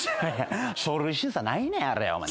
書類審査ないねんあれお前。